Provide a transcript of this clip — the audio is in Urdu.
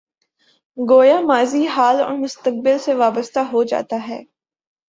گویا ماضی، حال اور مستقبل سے وابستہ ہو جاتا ہے۔